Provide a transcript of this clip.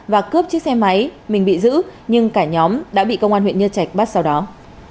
và cướp chiếc xe máy mình bị giữ nhưng cả nhóm đã bị công an huyện nhân trạch bắt sau đó